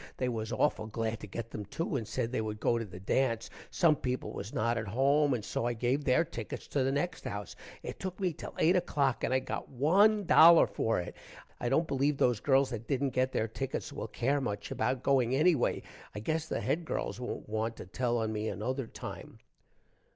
they was auful glad to get them too and said they would go to the dance. some people was not at home and so i gave their tickets to the next house. it took me till 8 o'clock and i got 1 dollar for it. i dont believe those girls that dident get their tickets will care much about going ennyway. i gess the Head girls wont want to tell on me another time.